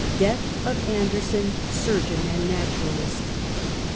De<ath of Anderson, surgeon and naturalist.